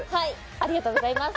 ありがとうございます。